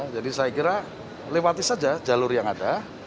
jadi saya kira lewati saja jalur yang ada